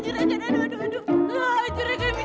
juragan mini tamsamah